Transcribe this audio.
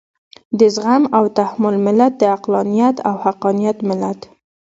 د زغم او تحمل ملت، د عقلانيت او حقانيت ملت.